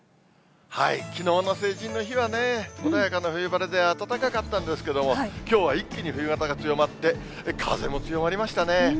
きのうの成人の日はね、穏やかな冬晴れで暖かかったんですけども、きょうは一気に冬型が強まって、風も強まりましたね。